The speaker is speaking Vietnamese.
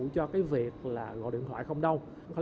cho cái việc là gọi điện thoại không đâu